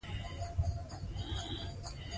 هغه وویل چې ګټې ممکنه ده چې د خوند سره تړاو ولري.